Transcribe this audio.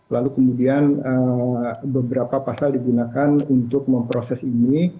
lalu kemudian beberapa pasal digunakan untuk memproses ini